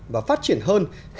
và phát triển hơn